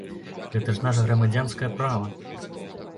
Гэта ж наша грамадзянскае права!